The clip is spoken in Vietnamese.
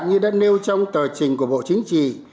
như đã nêu trong tờ trình của bộ chính trị